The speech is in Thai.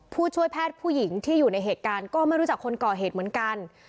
ผู้ช่วยแพทย์ผู้หญิงที่อยู่ในเหตุการณ์ก็ไม่รู้จักคนก่อเหตุเหมือนกัน